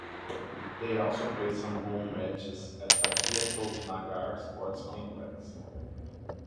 They also play some home matches at Tatya Tope Nagar Sports Complex.